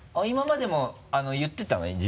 今までも言ってたの？